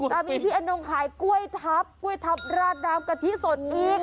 แล้วมีพี่อนงขายกล้วยทับกล้วยทับราดน้ำกะทิสดอีก